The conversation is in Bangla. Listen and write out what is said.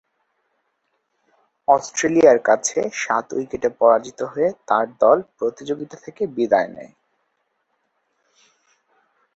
অস্ট্রেলিয়ার কাছে সাত উইকেটে পরাজিত হয়ে তার দল প্রতিযোগিতা থেকে বিদায় নেয়।